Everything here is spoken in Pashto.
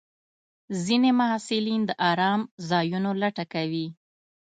ځینې محصلین د ارام ځایونو لټه کوي.